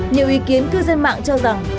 nhiều ý kiến cư dân mạng cho rằng